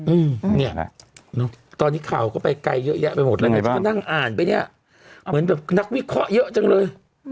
อืมตอนนี้ข่าวก็ไปไกลเยอะแยะไปหมดแล้วนั่งอ่านไปเนี่ยเหมือนแบบนักวิเคราะห์เยอะจังเลย